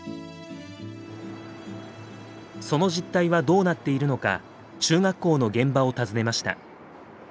その実態はどうなっているのか中学校の現場を訪ねました。